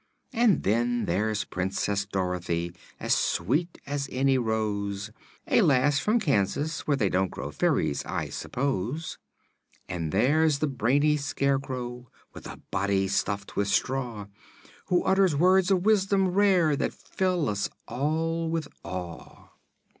And then there's Princess Dorothy, as sweet as any rose, A lass from Kansas, where they don't grow fairies, I suppose; And there's the brainy Scarecrow, with a body stuffed with straw, Who utters words of wisdom rare that fill us all with awe.